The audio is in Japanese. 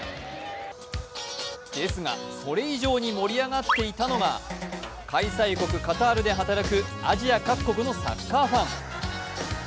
ですが、それ以上に盛り上がっていたのが開催国カタールで働くアジア各国のサッカーファン。